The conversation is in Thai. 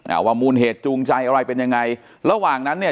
ว่ามูลเหตุจูงใจอะไรเป็นยังไงระหว่างนั้นเนี่ย